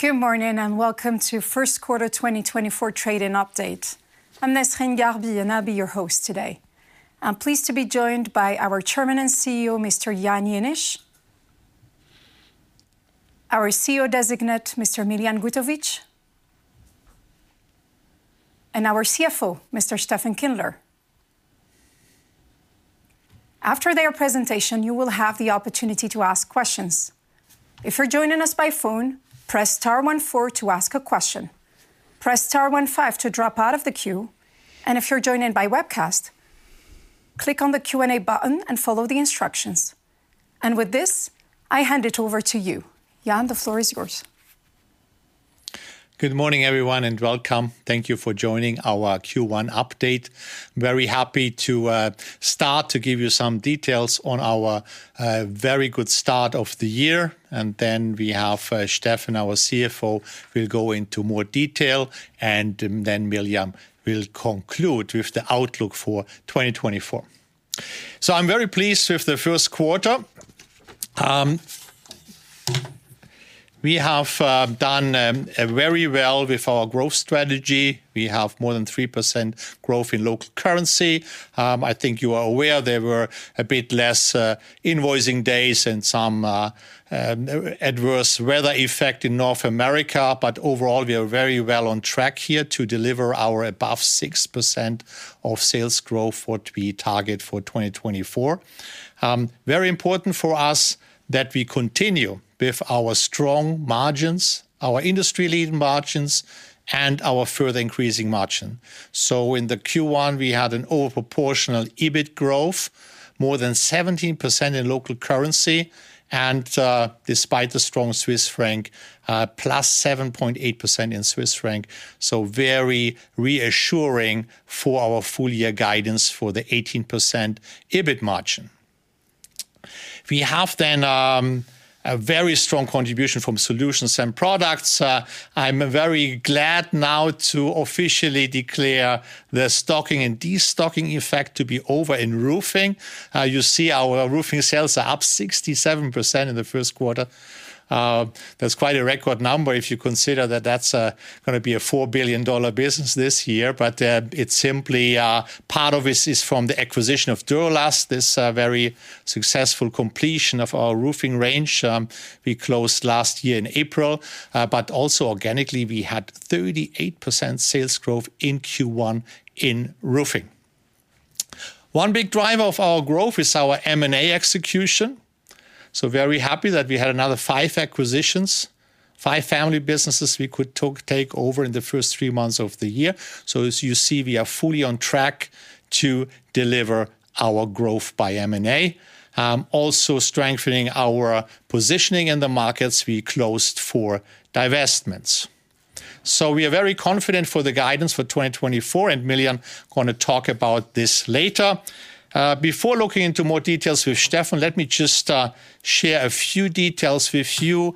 Good morning and welcome to first quarter 2024 results and update. I'm Nesrine Gharbi, and I'll be your host today. I'm pleased to be joined by our Chairman and CEO, Mr. Jan Jenisch, our CEO Designate, Mr. Miljan Gutovic, and our CFO, Mr. Steffen Kindler. After their presentation, you will have the opportunity to ask questions. If you're joining us by phone, press star one four to ask a question, press star one five to drop out of the queue, and if you're joining by webcast, click on the Q&A button and follow the instructions. With this, I hand it over to you. Jan, the floor is yours. Good morning, everyone, and welcome. Thank you for joining our Q1 update. Very happy to start to give you some details on our very good start of the year. And then we have Steffen, our CFO, who will go into more detail, and then Miljan will conclude with the outlook for 2024. So I'm very pleased with the first quarter. We have done very well with our growth strategy. We have more than 3% growth in local currency. I think you are aware there were a bit less invoicing days and some adverse weather effect in North America, but overall we are very well on track here to deliver our above 6% of sales growth what we target for 2024. Very important for us that we continue with our strong margins, our industry-leading margins, and our further increasing margin. In the Q1 we had an overproportional EBIT growth, more than 17% in local currency, and despite the strong Swiss franc, +7.8% in Swiss franc, so very reassuring for our full-year guidance for the 18% EBIT margin. We have then a very strong contribution from Solutions and Products. I'm very glad now to officially declare the stocking and destocking effect to be over in roofing. You see our roofing sales are up 67% in the first quarter. That's quite a record number if you consider that that's going to be a $4 billion business this year, but it's simply part of this is from the acquisition of Duro-Last, this very successful completion of our roofing range we closed last year in April. But also organically we had 38% sales growth in Q1 in roofing. One big driver of our growth is our M&A execution. So very happy that we had another five acquisitions, five family businesses we could take over in the first three months of the year. So as you see, we are fully on track to deliver our growth by M&A, also strengthening our positioning in the markets we closed for divestments. So we are very confident for the guidance for 2024, and Miljan is going to talk about this later. Before looking into more details with Steffen, let me just share a few details with you.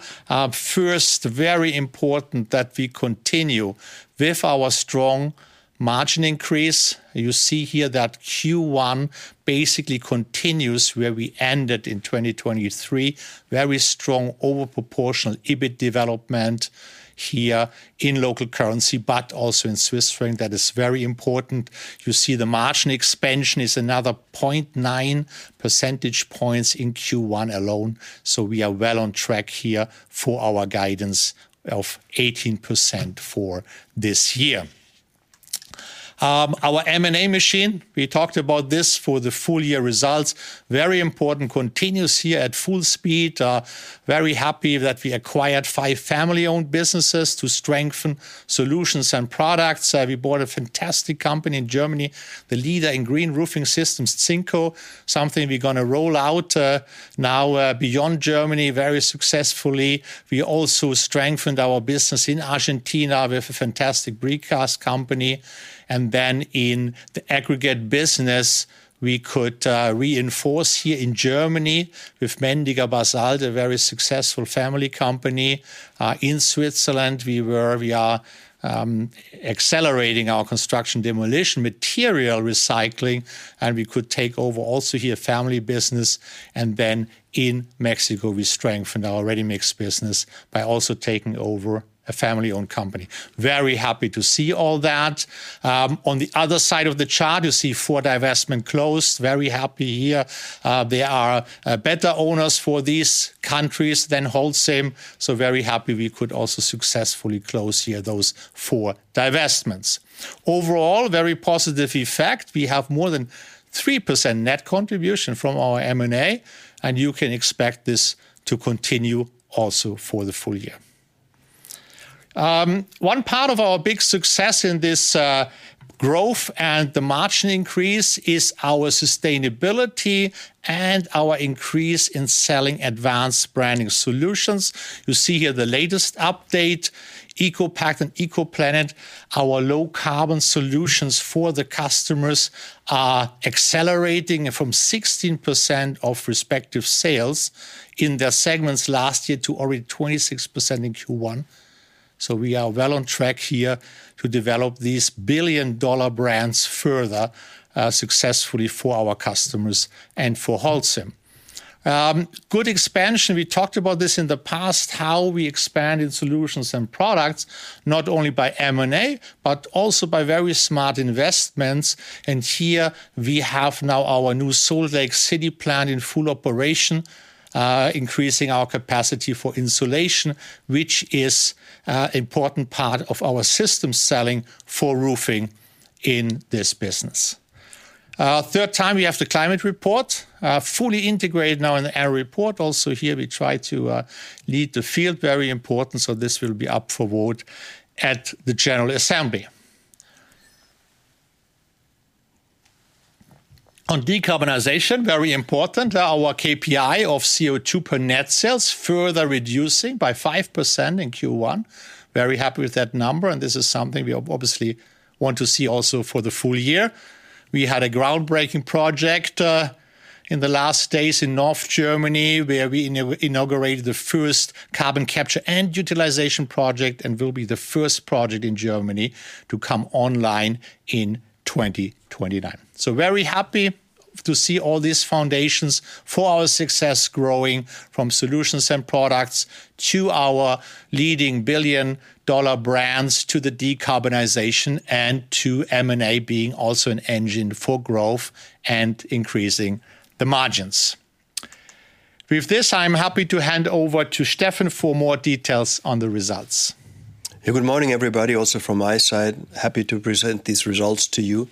First, very important that we continue with our strong margin increase. You see here that Q1 basically continues where we ended in 2023, very strong overproportional EBIT development here in local currency, but also in Swiss franc. That is very important. You see the margin expansion is another 0.9 percentage points in Q1 alone. So we are well on track here for our guidance of 18% for this year. Our M&A machine, we talked about this for the full-year results, very important, continues here at full speed. Very happy that we acquired five family-owned businesses to strengthen Solutions and Products. We bought a fantastic company in Germany, the leader in green roofing systems, ZinCo, something we're going to roll out now beyond Germany very successfully. We also strengthened our business in Argentina with a fantastic precast company. And then in the aggregate business we could reinforce here in Germany with Mendiger Basalt, a very successful family company. In Switzerland we are accelerating our construction demolition material recycling, and we could take over also here family business. And then in Mexico we strengthened our ready-mix business by also taking over a family-owned company. Very happy to see all that. On the other side of the chart you see four divestments closed. Very happy here. There are better owners for these countries than Holcim, so very happy we could also successfully close here those four divestments. Overall, very positive effect. We have more than 3% net contribution from our M&A, and you can expect this to continue also for the full year. One part of our big success in this growth and the margin increase is our sustainability and our increase in selling advanced branding solutions. You see here the latest update, ECOPact and ECOPlanet, our low-carbon solutions for the customers are accelerating from 16% of respective sales in their segments last year to already 26% in Q1. So we are well on track here to develop these billion-dollar brands further successfully for our customers and for Holcim. Good expansion. We talked about this in the past, how we expand in Solutions and Products, not only by M&A but also by very smart investments. Here we have now our new Salt Lake City plant in full operation, increasing our capacity for insulation, which is an important part of our system selling for roofing in this business. Third time we have the climate report, fully integrated now in the annual report. Also here we try to lead the field, very important, so this will be up for vote at the General Assembly. On decarbonization, very important, our KPI of CO2 per net sales further reducing by 5% in Q1. Very happy with that number, and this is something we obviously want to see also for the full year. We had a groundbreaking project in the last days in North Germany where we inaugurated the first carbon capture and utilization project and will be the first project in Germany to come online in 2029. So very happy to see all these foundations for our success growing from Solutions and Products to our leading billion-dollar brands to the decarbonization and to M&A being also an engine for growth and increasing the margins. With this I'm happy to hand over to Steffen for more details on the results. Yeah, good morning, everybody, also from my side. Happy to present these results to you.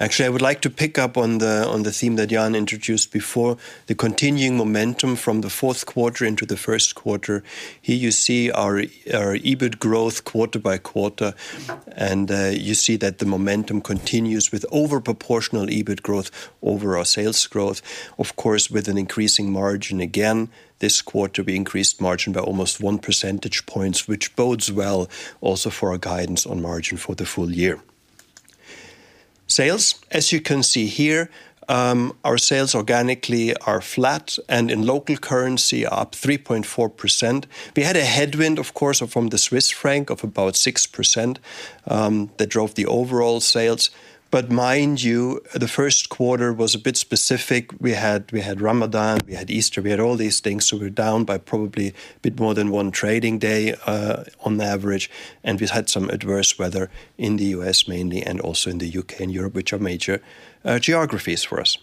Actually, I would like to pick up on the theme that Jan introduced before, the continuing momentum from the fourth quarter into the first quarter. Here you see our EBIT growth quarter-by-quarter, and you see that the momentum continues with overproportional EBIT growth over our sales growth, of course with an increasing margin. Again, this quarter we increased margin by almost 1 percentage points, which bodes well also for our guidance on margin for the full year. Sales, as you can see here, our sales organically are flat and in local currency are up 3.4%. We had a headwind, of course, from the Swiss franc of about 6% that drove the overall sales. But mind you, the first quarter was a bit specific. We had Ramadan, we had Easter, we had all these things, so we're down by probably a bit more than one trading day on average, and we had some adverse weather in the U.S. mainly and also in the U.K. and Europe, which are major geographies for us.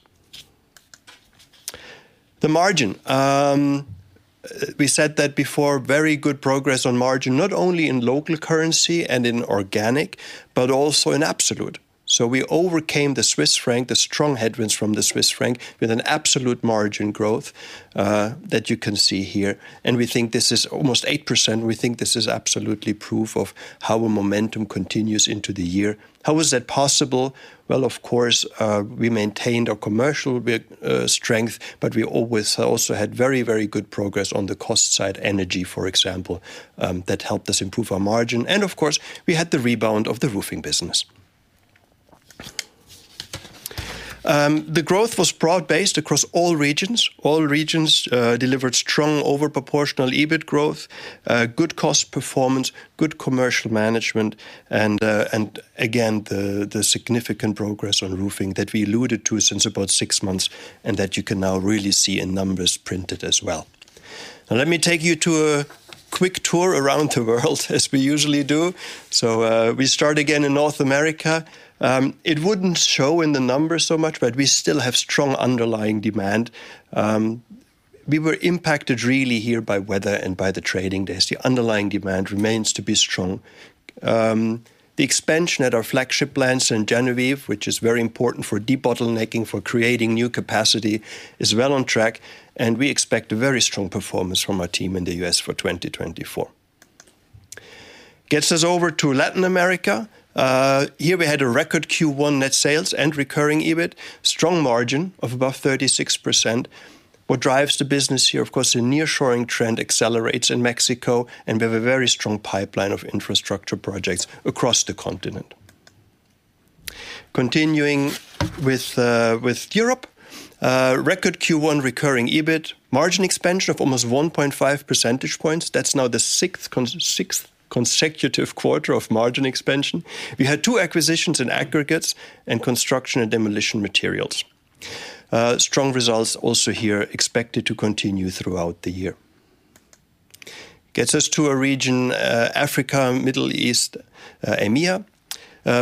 The margin. We said that before, very good progress on margin, not only in local currency and in organic but also in absolute. So we overcame the Swiss franc, the strong headwinds from the Swiss franc, with an absolute margin growth that you can see here. And we think this is almost 8%. We think this is absolutely proof of how a momentum continues into the year. How was that possible? Well, of course we maintained our commercial strength, but we also had very, very good progress on the cost side, energy, for example, that helped us improve our margin. And of course we had the rebound of the roofing business. The growth was broad-based across all regions. All regions delivered strong overproportional EBIT growth, good cost performance, good commercial management, and again the significant progress on roofing that we alluded to since about six months and that you can now really see in numbers printed as well. Now let me take you to a quick tour around the world as we usually do. So we start again in North America. It wouldn't show in the numbers so much, but we still have strong underlying demand. We were impacted really here by weather and by the trading days. The underlying demand remains to be strong. The expansion at our flagship plants in Ste. Genevieve, which is very important for debottlenecking, for creating new capacity, is well on track, and we expect a very strong performance from our team in the U.S. for 2024. Gets us over to Latin America. Here we had a record Q1 net sales and recurring EBIT, strong margin of above 36%. What drives the business here? Of course the nearshoring trend accelerates in Mexico, and we have a very strong pipeline of infrastructure projects across the continent. Continuing with Europe, record Q1 recurring EBIT, margin expansion of almost 1.5 percentage points. That's now the sixth consecutive quarter of margin expansion. We had two acquisitions in aggregates and construction and demolition materials. Strong results also here expected to continue throughout the year. Gets us to a region, Africa, Middle East, EMEA.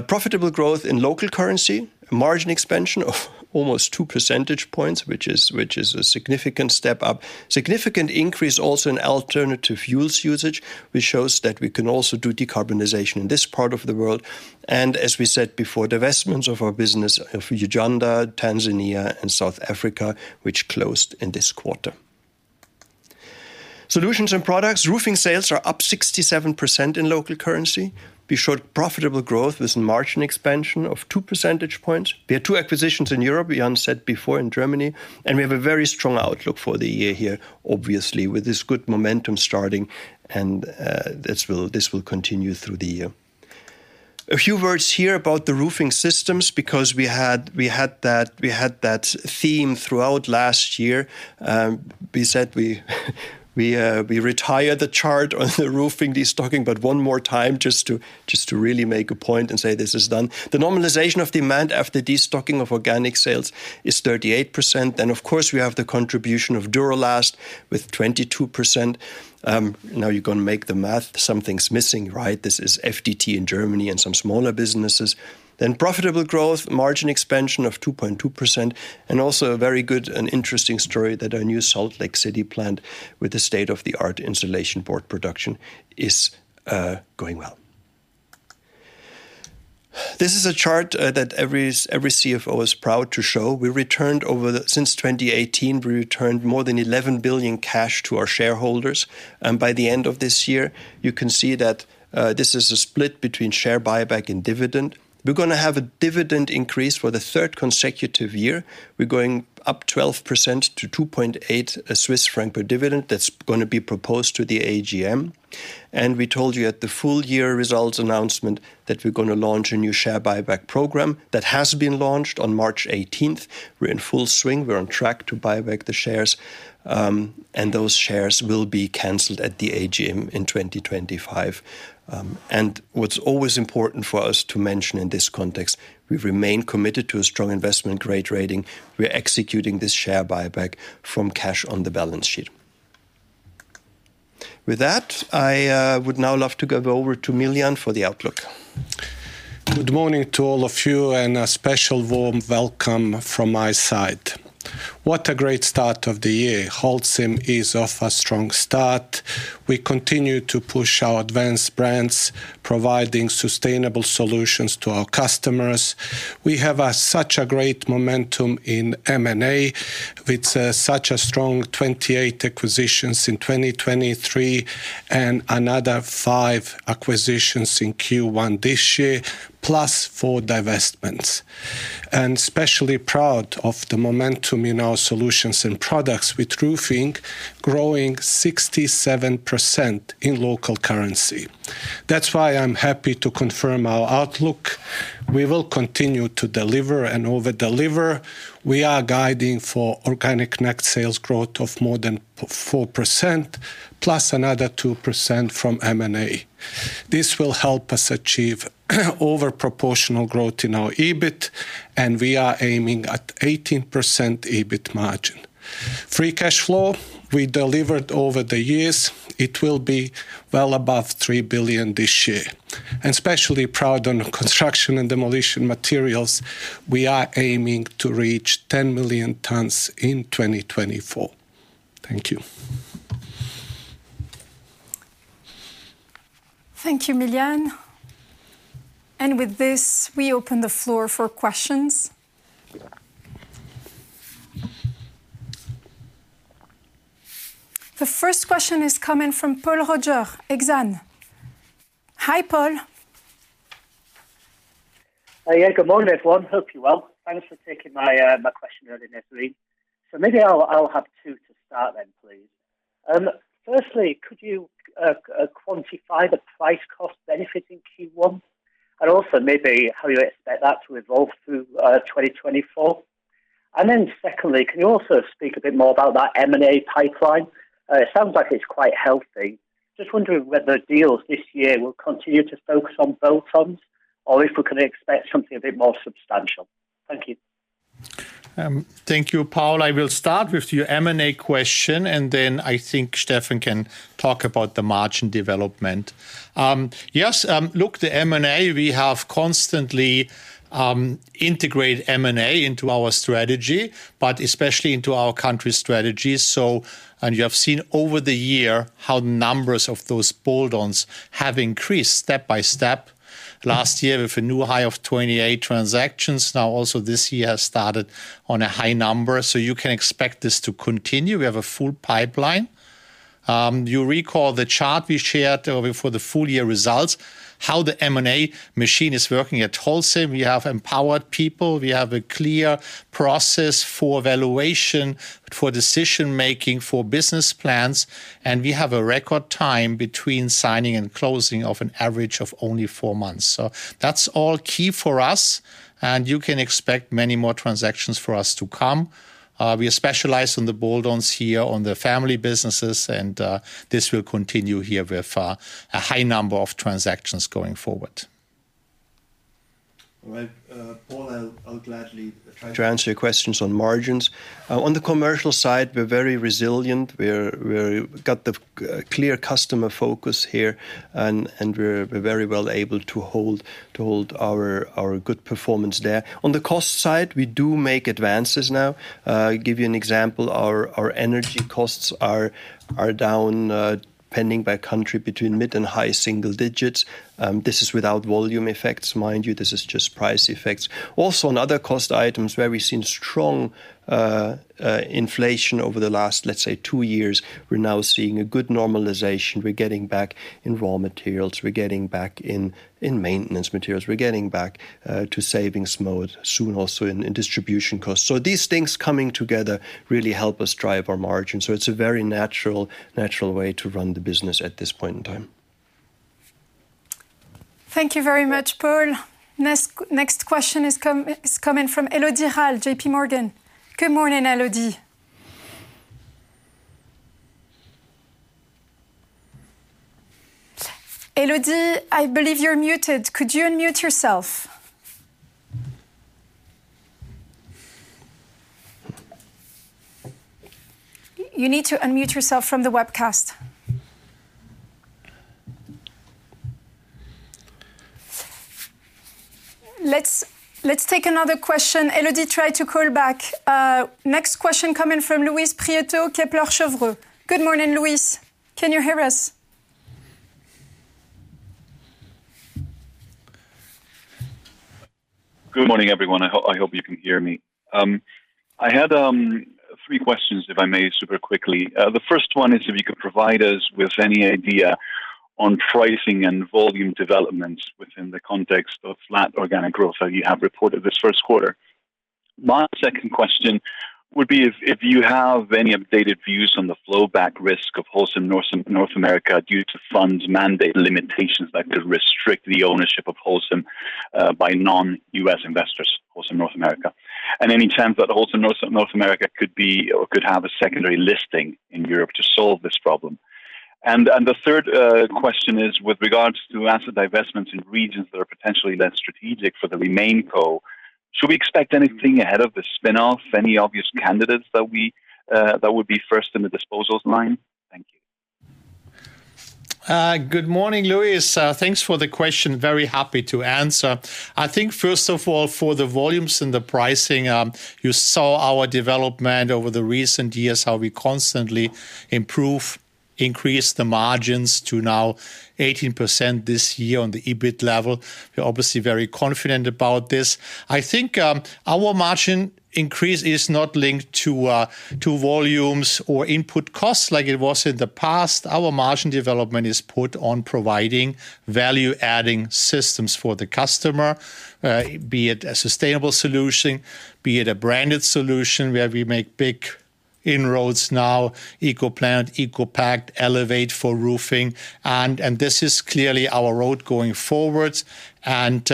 Profitable growth in local currency, margin expansion of almost 2 percentage points, which is a significant step up, significant increase also in alternative fuels usage, which shows that we can also do decarbonization in this part of the world. As we said before, divestments of our business of Uganda, Tanzania, and South Africa, which closed in this quarter. Solutions and products, roofing sales are up 67% in local currency. We showed profitable growth with a margin expansion of 2 percentage points. We had two acquisitions in Europe, Jan said before, in Germany, and we have a very strong outlook for the year here, obviously, with this good momentum starting and this will continue through the year. A few words here about the roofing systems because we had that theme throughout last year. We said we retire the chart on the roofing destocking but one more time just to really make a point and say this is done. The normalization of demand after destocking of organic sales is 38%. Then of course we have the contribution of Duro-Last with 22%. Now you're going to make the math. Something's missing, right? This is FDT in Germany and some smaller businesses. Then profitable growth, margin expansion of 2.2%, and also a very good and interesting story that our new Salt Lake City plant with the state-of-the-art insulation board production is going well. This is a chart that every CFO is proud to show. We returned over since 2018, we returned more than 11 billion cash to our shareholders. By the end of this year you can see that this is a split between share buyback and dividend. We're going to have a dividend increase for the third consecutive year. We're going up 12% to 2.8 Swiss franc per dividend that's going to be proposed to the AGM. We told you at the full year results announcement that we're going to launch a new share buyback program that has been launched on March 18th. We're in full swing. We're on track to buy back the shares, and those shares will be canceled at the AGM in 2025. What's always important for us to mention in this context, we remain committed to a strong investment grade rating. We're executing this share buyback from cash on the balance sheet. With that, I would now love to give over to Miljan for the outlook. Good morning to all of you and a special warm welcome from my side. What a great start of the year. Holcim is off to a strong start. We continue to push our advanced brands, providing sustainable solutions to our customers. We have such a great momentum in M&A with such a strong 28 acquisitions in 2023 and another five acquisitions in Q1 this year, plus four divestments. And especially proud of the momentum in our Solutions and Products with roofing growing 67% in local currency. That's why I'm happy to confirm our outlook. We will continue to deliver and overdeliver. We are guiding for organic net sales growth of more than 4% plus another 2% from M&A. This will help us achieve overproportional growth in our EBIT, and we are aiming at 18% EBIT margin. Free cash flow we delivered over the years, it will be well above 3 billion this year. Especially proud on construction and demolition materials, we are aiming to reach 10 million tons in 2024. Thank you. Thank you, Miljan. With this we open the floor for questions. The first question is coming from Paul Roger, Exane. Hi, Paul. Hi, Jan. Good morning, everyone. Hope you're well. Thanks for taking my question earlier, Nesrine. So maybe I'll have two to start then, please. Firstly, could you quantify the price-cost benefits in Q1 and also maybe how you expect that to evolve through 2024? And then secondly, can you also speak a bit more about that M&A pipeline? It sounds like it's quite healthy. Just wondering whether deals this year will continue to focus on bolt-ons or if we can expect something a bit more substantial. Thank you. Thank you, Paul. I will start with your M&A question, and then I think Steffen can talk about the margin development. Yes, look, the M&A, we have constantly integrated M&A into our strategy, but especially into our country's strategies. And you have seen over the year how the numbers of those bolt-ons have increased step by step. Last year with a new high of 28 transactions, now also this year has started on a high number, so you can expect this to continue. We have a full pipeline. You recall the chart we shared for the full year results, how the M&A machine is working at Holcim. We have empowered people. We have a clear process for evaluation, for decision-making, for business plans, and we have a record time between signing and closing of an average of only four months. `That's all key for us, and you can expect many more transactions for us to come. We are specialized on the bolt-ons here, on the family businesses, and this will continue here with a high number of transactions going forward. All right, Paul, I'll gladly try to answer your questions on margins. On the commercial side, we're very resilient. We've got the clear customer focus here, and we're very well able to hold our good performance there. On the cost side, we do make advances now. I'll give you an example. Our energy costs are down, depending by country, between mid and high single digits. This is without volume effects. Mind you, this is just price effects. Also on other cost items where we've seen strong inflation over the last, let's say, two years, we're now seeing a good normalization. We're getting back in raw materials. We're getting back in maintenance materials. We're getting back to savings mode soon also in distribution costs. So these things coming together really help us drive our margin. So it's a very natural way to run the business at this point in time. Thank you very much, Paul. Next question is coming from Élodie Rall, JPMorgan. Good morning, Élodie. Élodie, I believe you're muted. Could you unmute yourself? You need to unmute yourself from the webcast. Let's take another question. Élodie tried to call back. Next question coming from Luis Prieto, Kepler Cheuvreux. Good morning, Louis. Can you hear us? Good morning, everyone. I hope you can hear me. I had three questions, if I may, super quickly. The first one is if you could provide us with any idea on pricing and volume developments within the context of flat organic growth that you have reported this first quarter. My second question would be if you have any updated views on the flowback risk of Holcim North America due to funds mandate limitations that could restrict the ownership of Holcim by non-U.S. investors, Holcim North America, and any chance that Holcim North America could have a secondary listing in Europe to solve this problem. And the third question is with regards to asset divestments in regions that are potentially less strategic for the remaining CO, should we expect anything ahead of the spinoff, any obvious candidates that would be first in the disposal line? Thank you. Good morning, Louis. Thanks for the question. Very happy to answer. I think first of all, for the volumes and the pricing, you saw our development over the recent years, how we constantly improve, increase the margins to now 18% this year on the EBIT level. We're obviously very confident about this. I think our margin increase is not linked to volumes or input costs like it was in the past. Our margin development is put on providing value-adding systems for the customer, be it a sustainable solution, be it a branded solution where we make big inroads now, ECOPlanet, ECOPact, Elevate for roofing. And this is clearly our road going forward, and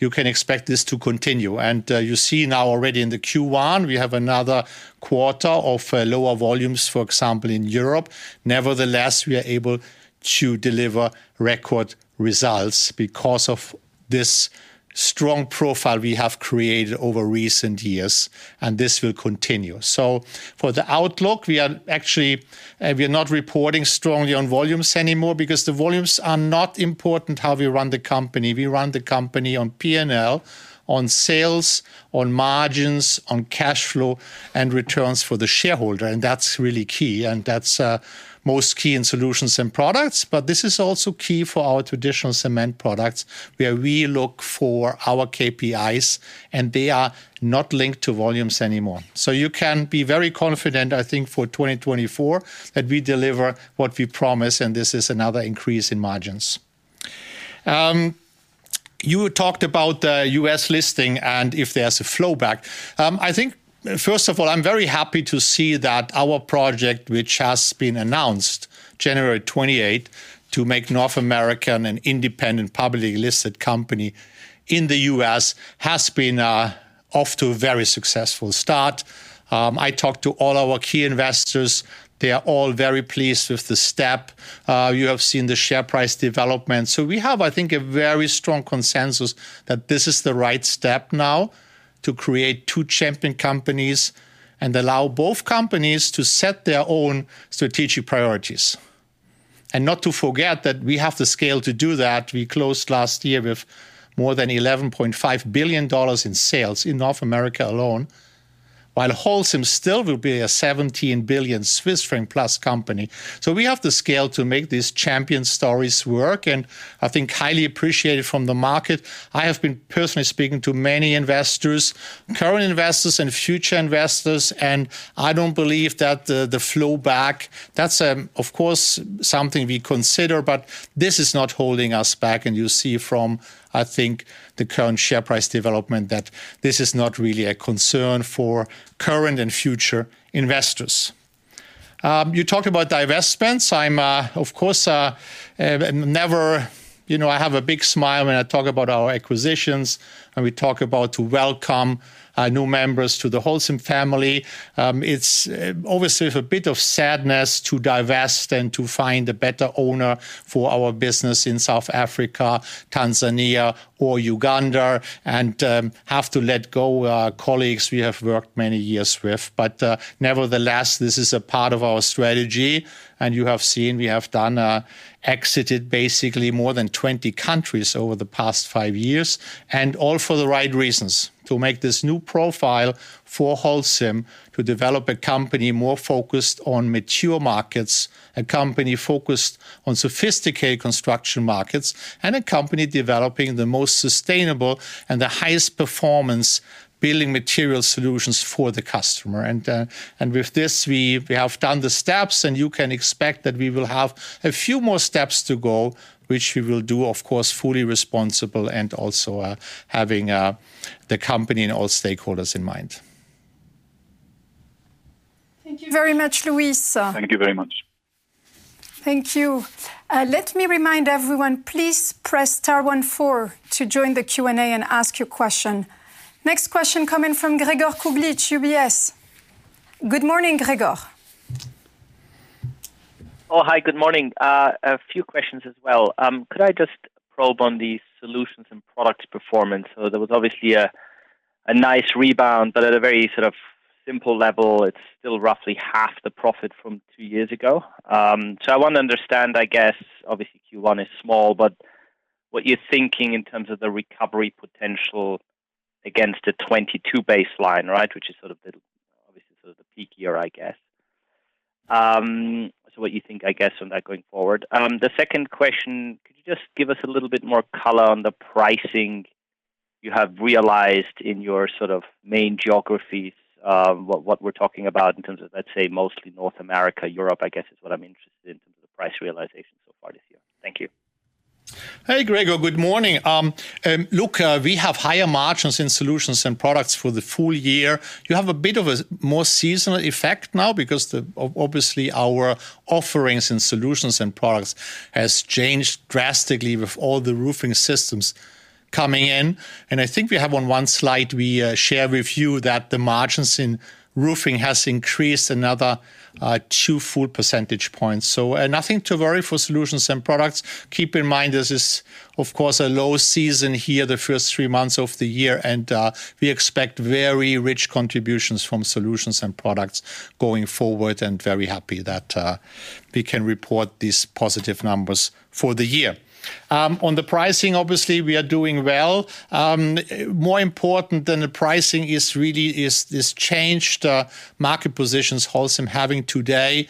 you can expect this to continue. And you see now already in the Q1 we have another quarter of lower volumes, for example, in Europe. Nevertheless, we are able to deliver record results because of this strong profile we have created over recent years, and this will continue. So for the outlook, we are actually not reporting strongly on volumes anymore because the volumes are not important how we run the company. We run the company on P&L, on sales, on margins, on cash flow, and returns for the shareholder, and that's really key, and that's most key in Solutions and Products. But this is also key for our traditional cement products where we look for our KPIs, and they are not linked to volumes anymore. So you can be very confident, I think, for 2024 that we deliver what we promise, and this is another increase in margins. You talked about the U.S. listing and if there's a flowback. I think first of all, I'm very happy to see that our project, which has been announced January 28th to make North America an independent publicly listed company in the U.S., has been off to a very successful start. I talked to all our key investors. They are all very pleased with the step. You have seen the share price development. So we have, I think, a very strong consensus that this is the right step now to create two champion companies and allow both companies to set their own strategic priorities. And not to forget that we have the scale to do that. We closed last year with more than $11.5 billion in sales in North America alone, while Holcim still will be a 17+ billion Swiss franc company. So we have the scale to make these champion stories work and I think highly appreciated from the market. I have been personally speaking to many investors, current investors and future investors, and I don't believe that the flowback, that's of course something we consider, but this is not holding us back. You see from, I think, the current share price development that this is not really a concern for current and future investors. You talked about divestments. I'm of course never, you know, I have a big smile when I talk about our acquisitions and we talk about to welcome new members to the Holcim family. It's obviously with a bit of sadness to divest and to find a better owner for our business in South Africa, Tanzania, or Uganda, and have to let go of colleagues we have worked many years with. But nevertheless, this is a part of our strategy, and you have seen we have done exited basically more than 20 countries over the past five years, and all for the right reasons, to make this new profile for Holcim, to develop a company more focused on mature markets, a company focused on sophisticated construction markets, and a company developing the most sustainable and the highest performance building material solutions for the customer. And with this, we have done the steps, and you can expect that we will have a few more steps to go, which we will do, of course, fully responsible and also having the company and all stakeholders in mind. Thank you very much, Louis. Thank you very much. Thank you. Let me remind everyone, please press star one four to join the Q&A and ask your question. Next question coming from Gregor Kuglitsch, UBS. Good morning, Gregor. Oh, hi, good morning. A few questions as well. Could I just probe on the Solutions and Product performance? So there was obviously a nice rebound, but at a very sort of simple level, it's still roughly half the profit from two years ago. So I want to understand, I guess, obviously Q1 is small, but what you're thinking in terms of the recovery potential against the 2022 baseline, right, which is sort of the obviously sort of the peak year, I guess. So what you think, I guess, on that going forward. The second question, could you just give us a little bit more color on the pricing you have realized in your sort of main geographies, what we're talking about in terms of, let's say, mostly North America, Europe, I guess, is what I'm interested in terms of the price realization so far this year. Thank you. Hey, Gregor. Good morning. Look, we have higher margins in Solutions and Products for the full year. You have a bit of a more seasonal effect now because obviously our offerings in Solutions and Products have changed drastically with all the roofing systems coming in. And I think we have on one slide we share with you that the margins in roofing have increased another two full percentage points. So nothing to worry for Solutions and Products. Keep in mind this is of course a low season here, the first three months of the year, and we expect very rich contributions from Solutions and Products going forward and very happy that we can report these positive numbers for the year. On the pricing, obviously, we are doing well. More important than the pricing is really this changed market positions Holcim having today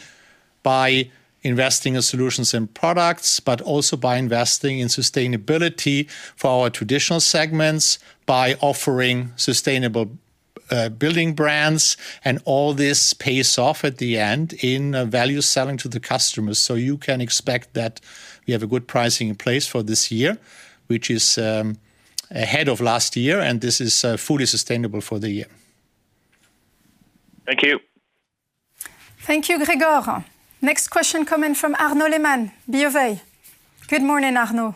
by investing in Solutions and Products, but also by investing in sustainability for our traditional segments, by offering sustainable building brands. All this pays off at the end in value selling to the customers. You can expect that we have a good pricing in place for this year, which is ahead of last year, and this is fully sustainable for the year. Thank you. Thank you, Gregor. Next question coming from Arnaud Lehmann, BOA. Good morning, Arnaud.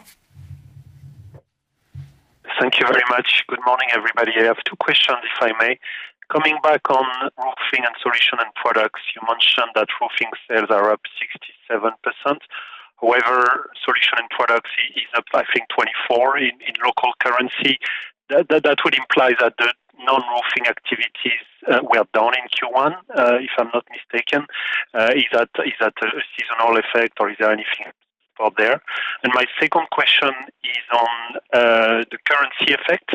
Thank you very much. Good morning, everybody. I have two questions, if I may. Coming back on roofing and Solution and Product, you mentioned that roofing sales are up 67%. However, Solution and Product is up, I think, 24% in local currency. That would imply that the non-roofing activities were down in Q1, if I'm not mistaken. Is that a seasonal effect, or is there anything else there? And my second question is on the currency effect.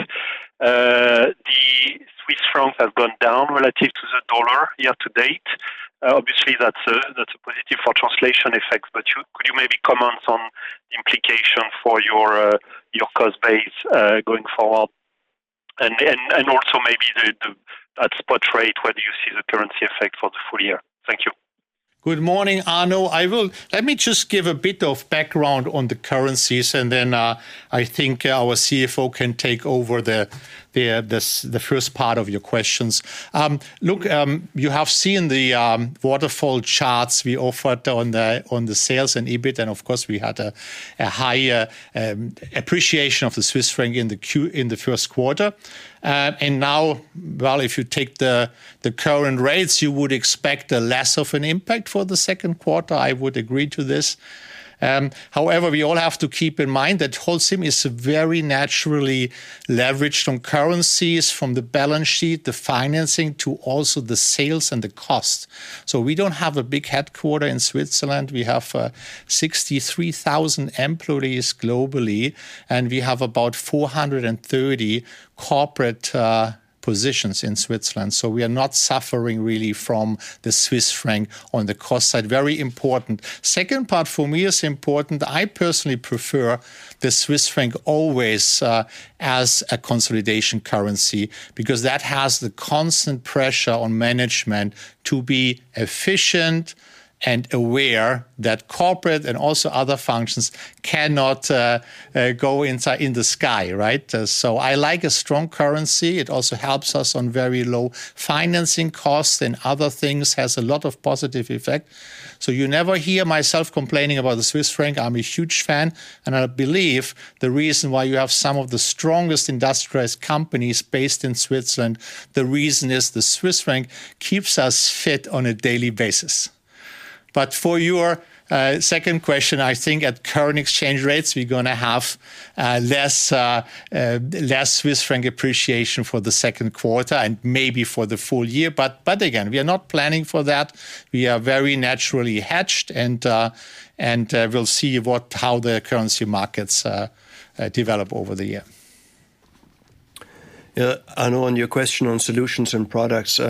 The Swiss francs have gone down relative to the dollar year to date. Obviously, that's a positive for translation effects, but could you maybe comment on the implication for your cost base going forward and also maybe the at-spot rate where do you see the currency effect for the full year? Thank you. Good morning, Arnaud. Let me just give a bit of background on the currencies, and then I think our CFO can take over the first part of your questions. Look, you have seen the waterfall charts we offered on the sales and EBIT, and of course we had a higher appreciation of the Swiss franc in the first quarter. And now, well, if you take the current rates, you would expect less of an impact for the second quarter. I would agree to this. However, we all have to keep in mind that Holcim is very naturally leveraged on currencies from the balance sheet, the financing, to also the sales and the cost. So we don't have a big headquarters in Switzerland. We have 63,000 employees globally, and we have about 430 corporate positions in Switzerland. So we are not suffering really from the Swiss franc on the cost side. Very important. Second part for me is important. I personally prefer the Swiss franc always as a consolidation currency because that has the constant pressure on management to be efficient and aware that corporate and also other functions cannot go inside in the sky, right? So I like a strong currency. It also helps us on very low financing costs and other things. Has a lot of positive effect. So you never hear myself complaining about the Swiss franc. I'm a huge fan, and I believe the reason why you have some of the strongest industrialized companies based in Switzerland, the reason is the Swiss franc keeps us fit on a daily basis. But for your second question, I think at current exchange rates, we're going to have less Swiss franc appreciation for the second quarter and maybe for the full year. But again, we are not planning for that. We are very naturally hedged, and we'll see how the currency markets develop over the year. Yeah, Arnaud, on your question on Solutions and Products,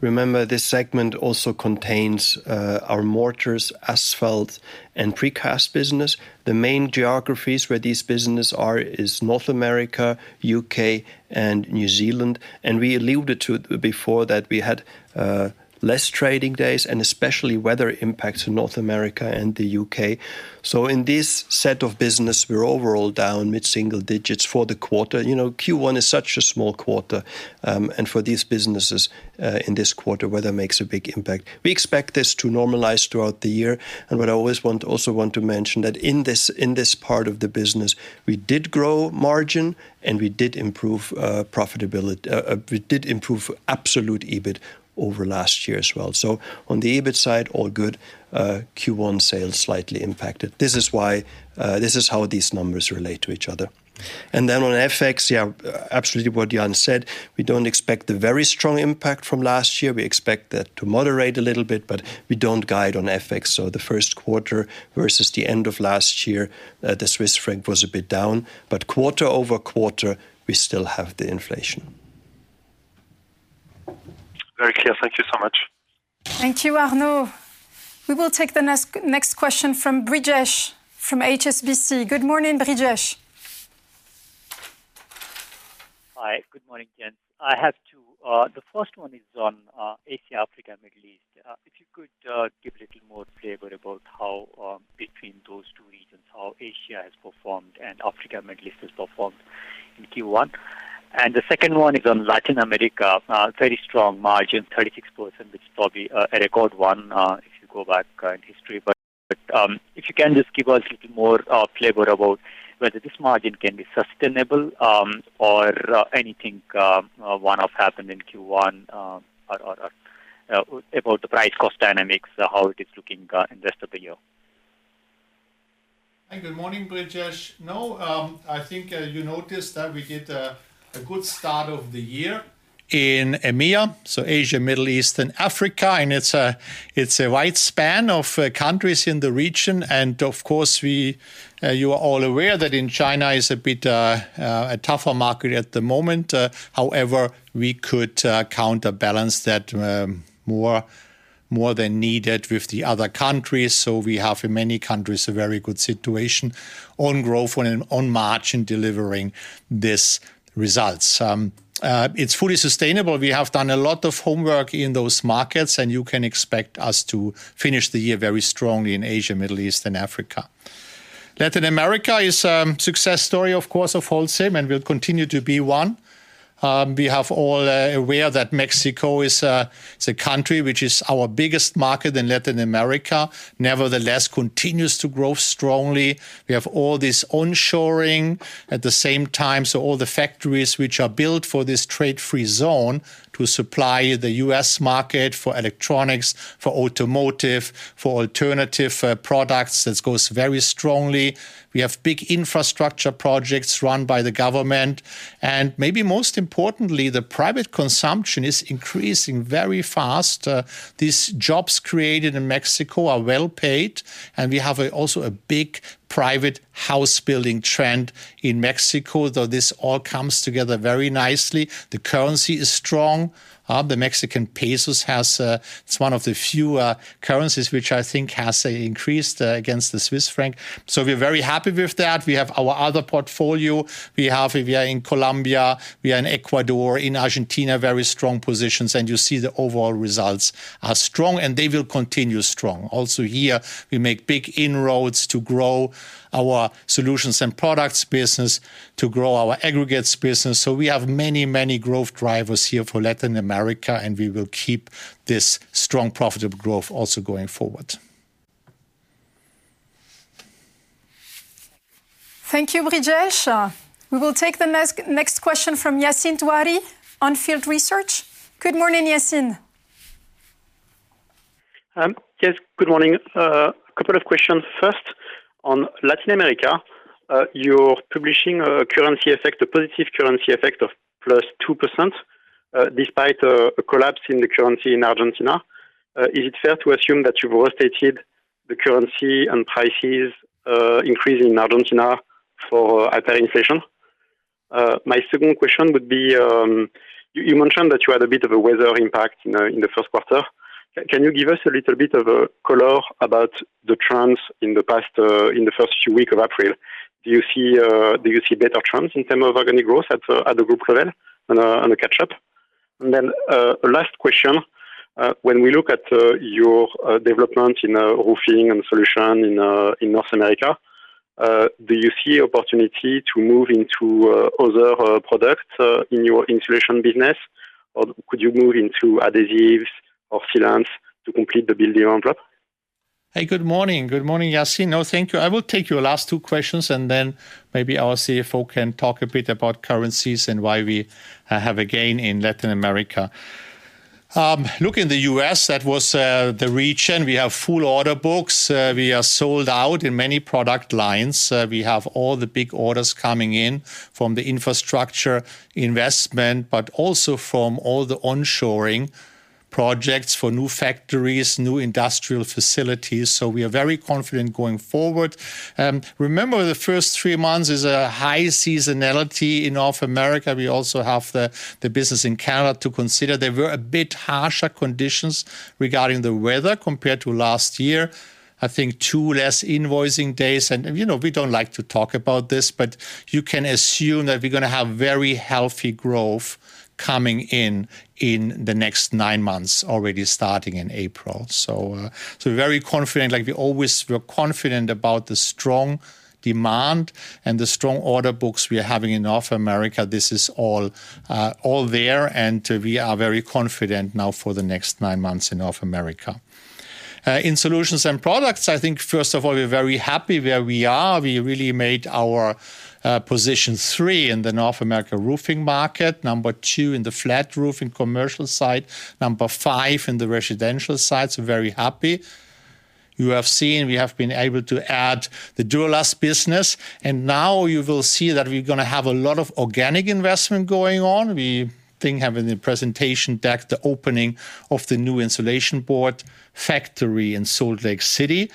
remember this segment also contains our mortars, asphalt, and precast business. The main geographies where these businesses are is North America, U.K., and New Zealand. We alluded to before that we had less trading days and especially weather impacts in North America and the U.K. So in this set of business, we're overall down mid-single digits for the quarter. You know, Q1 is such a small quarter, and for these businesses in this quarter, weather makes a big impact. We expect this to normalize throughout the year. What I always also want to mention that in this part of the business, we did grow margin, and we did improve profitability. We did improve absolute EBIT over last year as well. So on the EBIT side, all good. Q1 sales slightly impacted. This is how these numbers relate to each other. And then on FX, yeah, absolutely what Jan said. We don't expect the very strong impact from last year. We expect that to moderate a little bit, but we don't guide on FX. So the first quarter versus the end of last year, the Swiss franc was a bit down. But quarter-over-quarter, we still have the inflation. Very clear. Thank you so much. Thank you, Arnaud. We will take the next question from Brijesh from HSBC. Good morning, Brijesh. Hi. Good morning, Jens. I have two. The first one is on Asia-Africa, Middle East. If you could give a little more flavor about how between those two regions, how Asia has performed and Africa-Middle East has performed in Q1. And the second one is on Latin America. Very strong margin, 36%, which is probably a record one if you go back in history. But if you can just give us a little more flavor about whether this margin can be sustainable or anything one-off happened in Q1 about the price-cost dynamics, how it is looking in the rest of the year. Hi. Good morning, Brijesh. No, I think you noticed that we did a good start of the year. In EMEA, so Asia, Middle East, and Africa, and it's a wide span of countries in the region. Of course, you are all aware that in China is a bit tougher market at the moment. However, we could counterbalance that more than needed with the other countries. We have in many countries a very good situation on growth and on margin delivering these results. It's fully sustainable. We have done a lot of homework in those markets, and you can expect us to finish the year very strongly in Asia, Middle East, and Africa. Latin America is a success story, of course, of Holcim, and will continue to be one. We are all aware that Mexico is a country which is our biggest market in Latin America. Nevertheless, continues to grow strongly. We have all this nearshoring at the same time. So all the factories which are built for this trade-free zone to supply the U.S. market for electronics, for automotive, for alternative products, that goes very strongly. We have big infrastructure projects run by the government. And maybe most importantly, the private consumption is increasing very fast. These jobs created in Mexico are well paid, and we have also a big private house-building trend in Mexico. Though this all comes together very nicely, the currency is strong. The Mexican peso has its one of the few currencies which I think has increased against the Swiss franc. So we're very happy with that. We have our other portfolio. We are in Colombia. We are in Ecuador. In Argentina, very strong positions. And you see the overall results are strong, and they will continue strong. Also here, we make big inroads to grow our Solutions and Products business, to grow our aggregates business. So we have many, many growth drivers here for Latin America, and we will keep this strong, profitable growth also going forward. Thank you, Brijesh. We will take the next question from Yassine Touahri, On Field Investment Research. Good morning, Yassine. Yes. Good morning. A couple of questions. First. On Latin America, you're publishing a currency effect, a positive currency effect of +2% despite a collapse in the currency in Argentina. Is it fair to assume that you've rotated the currency and prices increasing in Argentina for hyperinflation? My second question would be you mentioned that you had a bit of a weather impact in the first quarter. Can you give us a little bit of color about the trends in the past in the first few weeks of April? Do you see better trends in terms of organic growth at the group level and the catch-up? And then a last question. When we look at your development in roofing and solutions in North America, do you see opportunity to move into other products in your insulation business, or could you move into adhesives or sealants to complete the building envelope? Hey. Good morning. Good morning, Yassine. No, thank you. I will take your last two questions, and then maybe our CFO can talk a bit about currencies and why we have a gain in Latin America. Look, in the U.S., that was the region. We have full order books. We are sold out in many product lines. We have all the big orders coming in from the infrastructure investment, but also from all the onshoring projects for new factories, new industrial facilities. So we are very confident going forward. Remember, the first three months is a high seasonality in North America. We also have the business in Canada to consider. There were a bit harsher conditions regarding the weather compared to last year. I think two less invoicing days. We don't like to talk about this, but you can assume that we're going to have very healthy growth coming in in the next nine months, already starting in April. So we're very confident. We're confident about the strong demand and the strong order books we are having in North America. This is all there, and we are very confident now for the next nine months in North America. In Solutions and Products, I think, first of all, we're very happy where we are. We really made our position three in the North America roofing market, number two in the flat roofing commercial side, number five in the residential side. So very happy. You have seen we have been able to add the Duro-Last business. And now you will see that we're going to have a lot of organic investment going on. We think have in the presentation deck the opening of the new insulation board factory in Salt Lake City.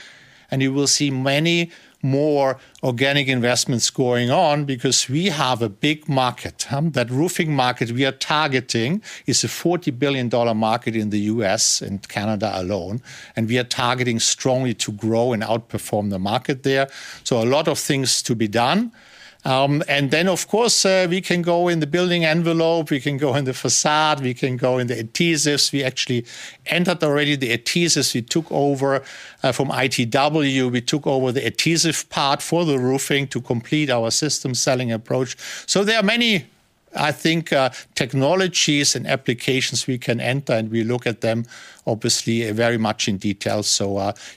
You will see many more organic investments going on because we have a big market. That roofing market we are targeting is a $40 billion market in the U.S. and Canada alone. We are targeting strongly to grow and outperform the market there. A lot of things to be done. Then, of course, we can go in the building envelope. We can go in the facade. We can go in the adhesives. We actually entered already the adhesives. We took over from ITW. We took over the adhesive part for the roofing to complete our system selling approach. There are many, I think, technologies and applications we can enter, and we look at them, obviously, very much in detail.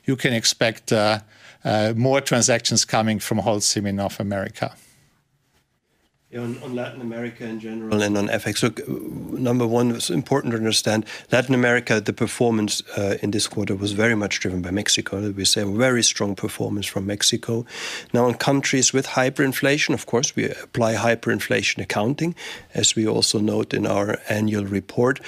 You can expect more transactions coming from Holcim in North America. Yeah. On Latin America in general and on FX, look, number one, it's important to understand Latin America. The performance in this quarter was very much driven by Mexico. We saw very strong performance from Mexico. Now, in countries with hyperinflation, of course, we apply hyperinflation accounting, as we also note in our annual report.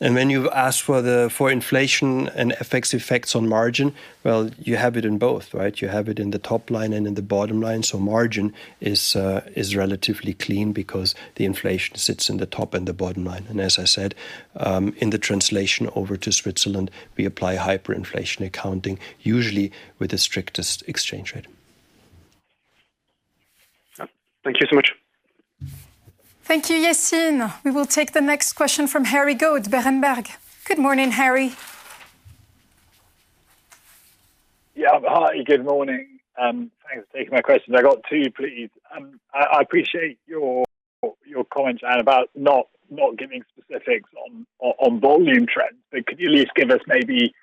And when you ask for inflation and FX effects on margin, well, you have it in both, right? You have it in the top line and in the bottom line. So margin is relatively clean because the inflation sits in the top and the bottom line. And as I said, in the translation over to Switzerland, we apply hyperinflation accounting, usually with the strictest exchange rate. Thank you so much. Thank you, Yassine. We will take the next question from Harry Goad, Berenberg. Good morning, Harry. Yeah. Hi. Good morning. Thanks for taking my question. I got two, please. I appreciate your comments, Jan, about not giving specifics on volume trends. But could you at least give us maybe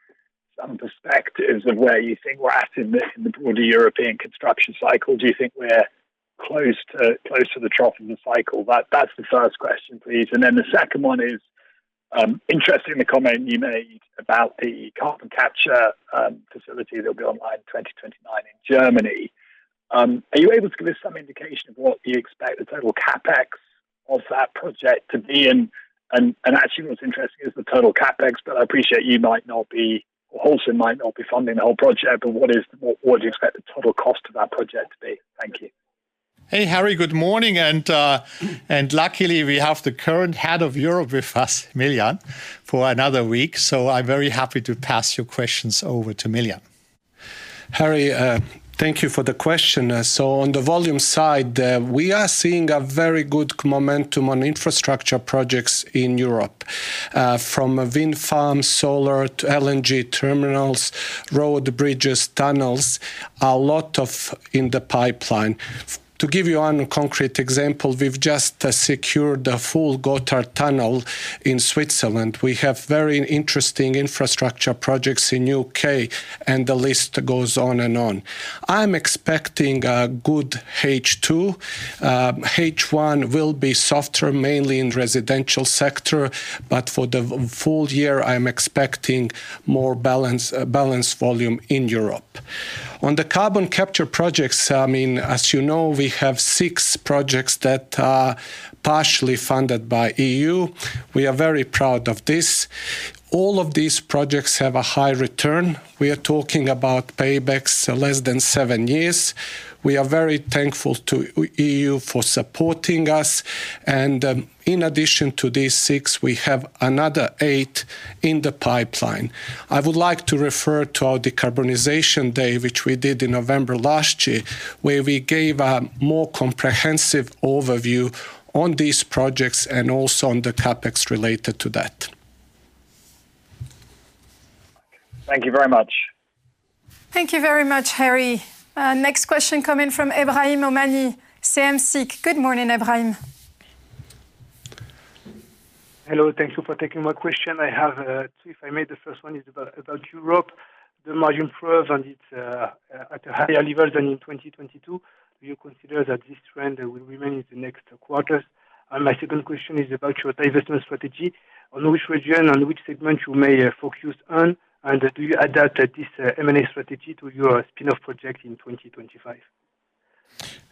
some perspectives of where you think we're at in the broader European construction cycle? Do you think we're close to the trough of the cycle? That's the first question, please. And then the second one is interesting, the comment you made about the carbon capture facility that'll be online in 2029 in Germany. Are you able to give us some indication of what you expect the total CapEx of that project to be? And actually, what's interesting is the total CapEx, but I appreciate you might not be or Holcim might not be funding the whole project. But what do you expect the total cost of that project to be? Thank you. Hey, Harry. Good morning. Luckily, we have the current head of Europe with us, Miljan, for another week. I'm very happy to pass your questions over to Miljan. Harry, thank you for the question. So on the volume side, we are seeing a very good momentum on infrastructure projects in Europe. From wind farms, solar, to LNG terminals, road bridges, tunnels, a lot of in the pipeline. To give you one concrete example, we've just secured a full Gotthard tunnel in Switzerland. We have very interesting infrastructure projects in the U.K., and the list goes on and on. I'm expecting a good H2. H1 will be softer, mainly in the residential sector. But for the full year, I'm expecting more balanced volume in Europe. On the carbon capture projects, I mean, as you know, we have six projects that are partially funded by the EU. We are very proud of this. All of these projects have a high return. We are talking about paybacks less than seven years. We are very thankful to the EU for supporting us. In addition to these six, we have another eight in the pipeline. I would like to refer to our Decarbonization Day, which we did in November last year, where we gave a more comprehensive overview on these projects and also on the CapEx related to that. Thank you very much. Thank you very much, Harry. Next question coming from Ebrahim Homani, CM-CIC. Good morning, Ebrahim. Hello. Thank you for taking my question. I have two. If I may, the first one is about Europe. The margin improve, and it's at a higher level than in 2022. Do you consider that this trend will remain in the next quarters? And my second question is about your investment strategy. On which region and which segment you may focus on? And do you adapt this M&A strategy to your spinoff project in 2025?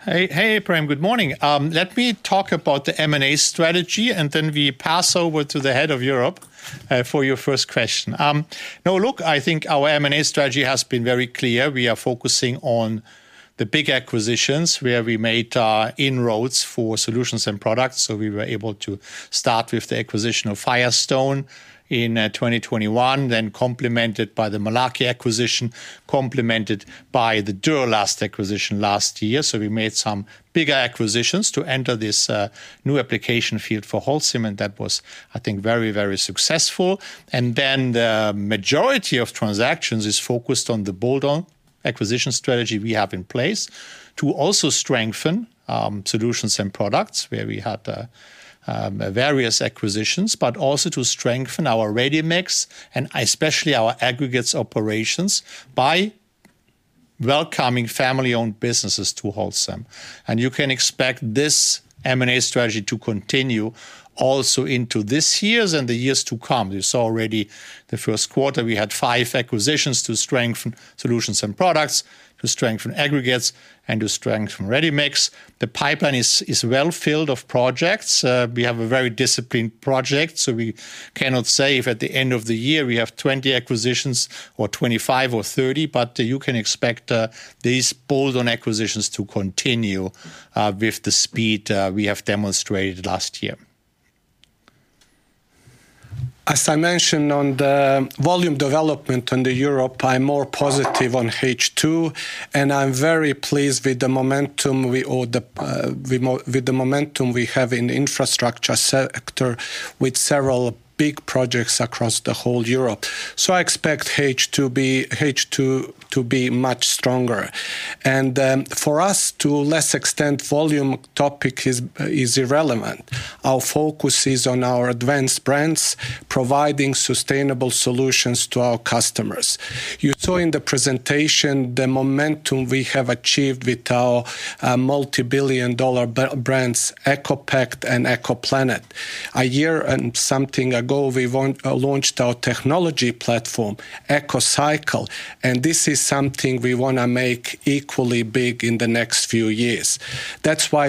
Hey, Ebrahim. Good morning. Let me talk about the M&A strategy, and then we pass over to the head of Europe for your first question. No, look, I think our M&A strategy has been very clear. We are focusing on the big acquisitions where we made inroads for Solutions and Products. So we were able to start with the acquisition of Firestone in 2021, then complemented by the Malarkey acquisition, complemented by the Duro-Last acquisition last year. So we made some bigger acquisitions to enter this new application field for Holcim, and that was, I think, very, very successful. And then the majority of transactions is focused on the bolt-on acquisition strategy we have in place to also strengthen Solutions and Products where we had various acquisitions, but also to strengthen our ready-mix, and especially our aggregates operations by welcoming family-owned businesses to Holcim. You can expect this M&A strategy to continue also into these years and the years to come. You saw already the first quarter. We had five acquisitions to strengthen Solutions and Products, to strengthen aggregates, and to strengthen ready mix. The pipeline is well filled of projects. We have a very disciplined project. We cannot say if at the end of the year we have 20 acquisitions or 25 or 30, but you can expect these bolt-on acquisitions to continue with the speed we have demonstrated last year. As I mentioned, on the volume development in Europe, I'm more positive on H2. I'm very pleased with the momentum we have in the infrastructure sector with several big projects across the whole Europe. I expect H2 to be much stronger. For us, to less extent, volume topic is irrelevant. Our focus is on our advanced brands, providing sustainable solutions to our customers. You saw in the presentation the momentum we have achieved with our multibillion-dollar brands, ECOPact and ECOPlanet. A year and something ago, we launched our technology platform, ECOCycle. This is something we want to make equally big in the next few years. That's why,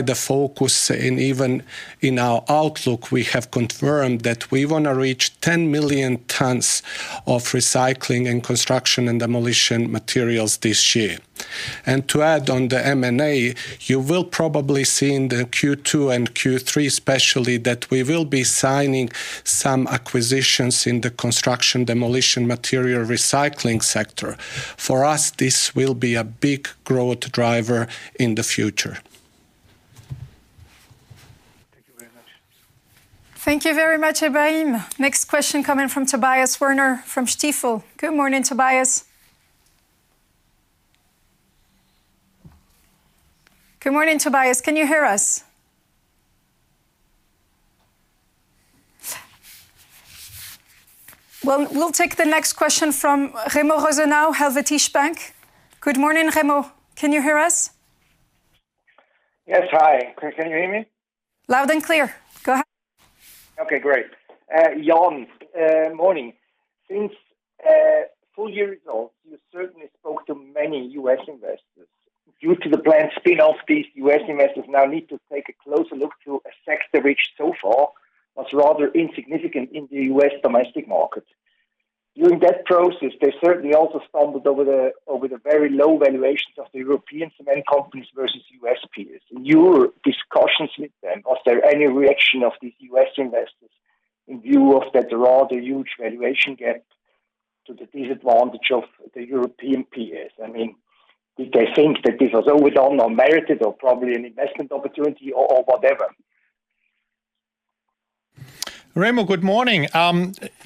in our outlook, we have confirmed that we want to reach 10 million tons of recycling and construction and demolition materials this year. To add on the M&A, you will probably see in the Q2 and Q3 especially that we will be signing some acquisitions in the construction demolition material recycling sector. For us, this will be a big growth driver in the future. Thank you very much. Thank you very much, Ebrahim. Next question coming from Tobias Woerner from Stifel. Good morning, Tobias. Good morning, Tobias. Can you hear us? Well, we'll take the next question from Remo Rosenau, Helvetische Bank. Good morning, Remo. Can you hear us? Yes. Hi. Can you hear me? Loud and clear. Go ahead. Okay. Great. Jan, morning. Since full year results, you certainly spoke to many U.S. investors. Due to the planned spinoff, these U.S. investors now need to take a closer look to a sector which so far was rather insignificant in the U.S. domestic market. During that process, they certainly also stumbled over the very low valuations of the European cement companies versus U.S. peers. In your discussions with them, was there any reaction of these U.S. investors in view of that rather huge valuation gap to the disadvantage of the European peers? I mean, did they think that this was overdone or merited or probably an investment opportunity or whatever? Remo, good morning.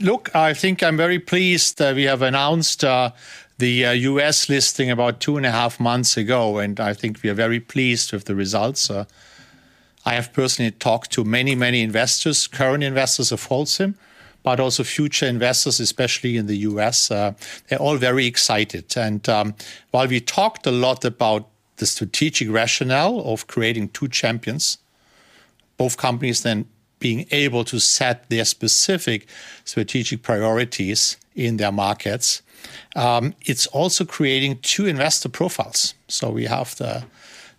Look, I think I'm very pleased that we have announced the U.S. listing about two and a half months ago. And I think we are very pleased with the results. I have personally talked to many, many investors, current investors of Holcim, but also future investors, especially in the U.S. They're all very excited. And while we talked a lot about the strategic rationale of creating two champions, both companies then being able to set their specific strategic priorities in their markets, it's also creating two investor profiles. So we have the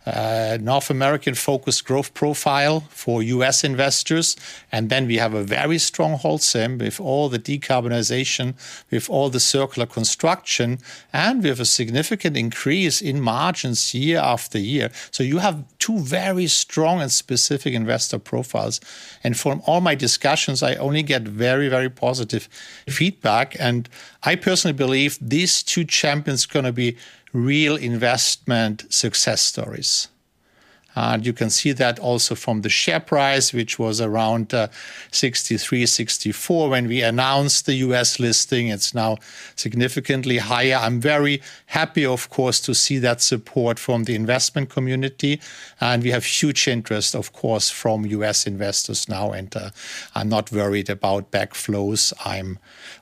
North American-focused growth profile for U.S. investors. And then we have a very strong Holcim with all the decarbonization, with all the circular construction, and we have a significant increase in margins year-after-year. So you have two very strong and specific investor profiles. From all my discussions, I only get very, very positive feedback. I personally believe these two champions are going to be real investment success stories. You can see that also from the share price, which was around $63-$64 when we announced the U.S. listing. It's now significantly higher. I'm very happy, of course, to see that support from the investment community. We have huge interest, of course, from U.S. investors now. I'm not worried about backflows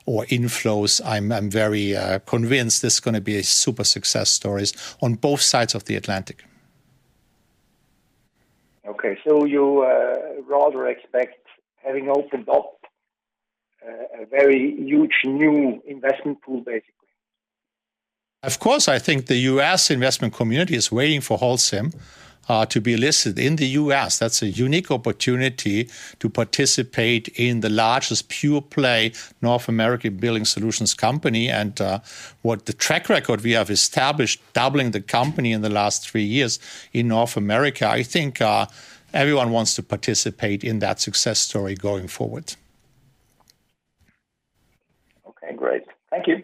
or inflows. I'm very convinced this is going to be super success stories on both sides of the Atlantic. Okay. So you rather expect having opened up a very huge new investment pool, basically? Of course. I think the U.S. investment community is waiting for Holcim to be listed in the U.S. That's a unique opportunity to participate in the largest pure-play North American building solutions company. And with the track record we have established, doubling the company in the last three years in North America, I think everyone wants to participate in that success story going forward. Okay. Great. Thank you.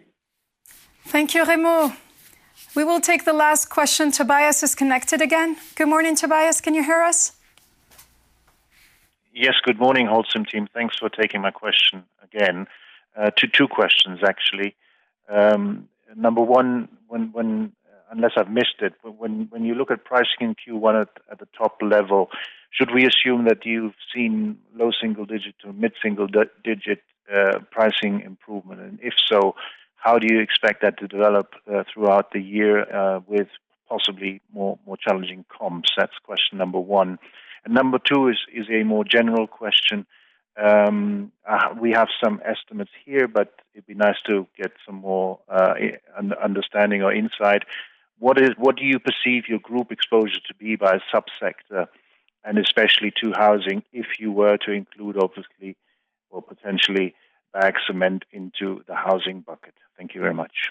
Thank you, Remo. We will take the last question. Tobias is connected again. Good morning, Tobias. Can you hear us? Yes. Good morning, Holcim team. Thanks for taking my question again. Two questions, actually. Number one, unless I've missed it, when you look at pricing in Q1 at the top level, should we assume that you've seen low single-digit to mid-single-digit pricing improvement? And if so, how do you expect that to develop throughout the year with possibly more challenging comps? That's question number one. And number two is a more general question. We have some estimates here, but it'd be nice to get some more understanding or insight. What do you perceive your group exposure to be by subsector, and especially to housing, if you were to include, obviously, or potentially bag cement into the housing bucket? Thank you very much.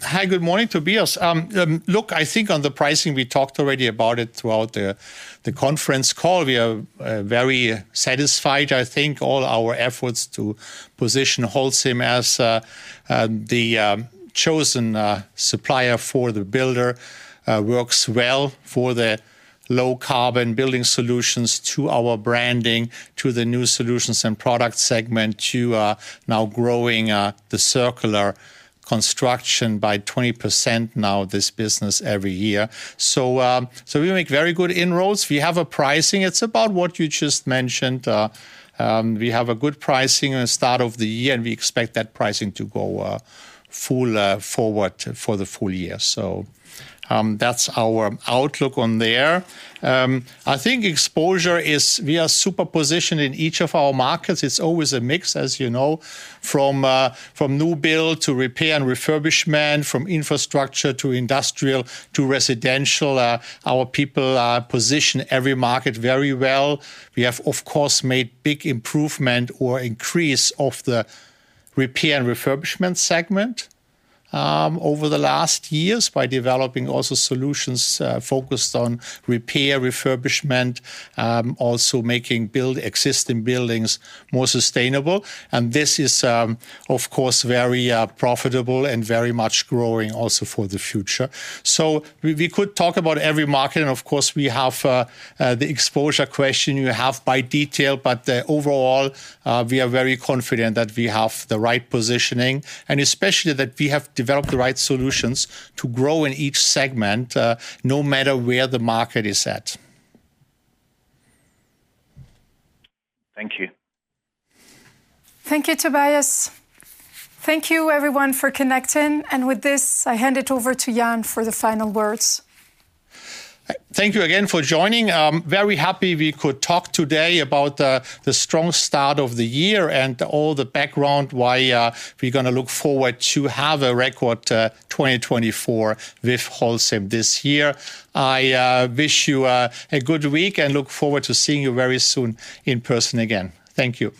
Hi. Good morning, Tobias. Look, I think on the pricing, we talked already about it throughout the conference call. We are very satisfied, I think, all our efforts to position Holcim as the chosen supplier for the builder. Works well for the low-carbon building solutions, to our branding, to the new Solutions and Product segment, to now growing the circular construction by 20% now, this business, every year. So we make very good inroads. We have a pricing. It's about what you just mentioned. We have a good pricing at the start of the year, and we expect that pricing to go forward for the full year. So that's our outlook on there. I think exposure is we are super positioned in each of our markets. It's always a mix, as you know, from new build to repair and refurbishment, from infrastructure to industrial to residential. Our people position every market very well. We have, of course, made big improvement or increase of the repair and refurbishment segment over the last years by developing also solutions focused on repair, refurbishment, also making existing buildings more sustainable. This is, of course, very profitable and very much growing also for the future. We could talk about every market. Of course, we have the exposure question you have by detail. But overall, we are very confident that we have the right positioning, and especially that we have developed the right solutions to grow in each segment no matter where the market is at. Thank you. Thank you, Tobias. Thank you, everyone, for connecting. With this, I hand it over to Jan for the final words. Thank you again for joining. Very happy we could talk today about the strong start of the year and all the background why we're going to look forward to have a record 2024 with Holcim this year. I wish you a good week and look forward to seeing you very soon in person again. Thank you.